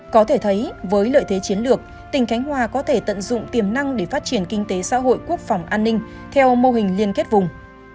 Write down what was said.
có thể thấy với lợi thế chiến lược tỉnh khánh hòa có thể tận dụng tiềm năng để phát triển kinh tế xã hội quốc phòng an ninh theo mô hình liên kết vùng